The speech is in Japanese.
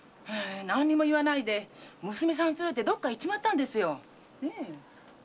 何にも言わないで娘さん連れてどっか行っちまったんですよ。